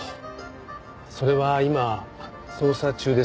それは今捜査中です。